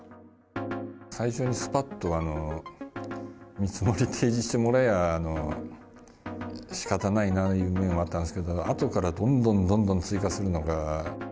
最初にすぱっと見積もりを提示してもらえば、しかたないないう面もあったんですけど、あとからどんどんどんどん追加するのが。